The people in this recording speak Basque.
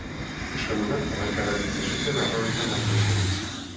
Euskaldunak palanka erabiltzen zuten harrobietan lan tresna gisa.